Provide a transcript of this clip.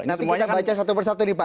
nanti kita baca satu persatu nih pak